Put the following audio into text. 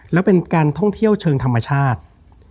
แล้วเป็นการท่องเที่ยวเชิงธรรมชาติ